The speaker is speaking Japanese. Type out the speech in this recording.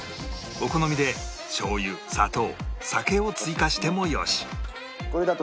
お好みでしょうゆ砂糖酒を追加してもよし